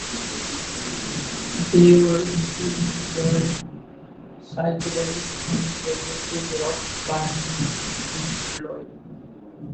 They were influenced by psychedelic and progressive rock pioneers Pink Floyd.